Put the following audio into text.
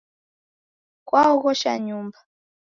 Kwaoghosha Nyumba.